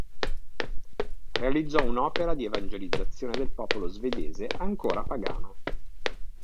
Realizzò un'opera di evangelizzazione del popolo svedese ancora pagano.